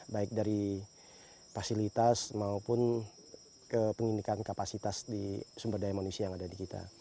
baik dari fasilitas maupun kepenyindikan kapasitas di sumber daya manusia yang ada di kita